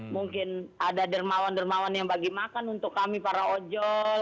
mungkin ada dermawan dermawan yang bagi makan untuk kami para ojol